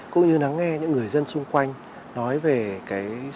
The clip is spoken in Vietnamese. cũng như lắng nghe những người dân xung quanh nói về cái sự nồng nhân ái